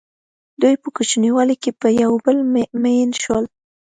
دوی په کوچنیوالي کې په یو بل مئین شول.